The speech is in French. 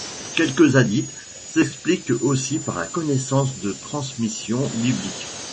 Quelques hadiths s’expliquent aussi par la connaissance de transmissions bibliques.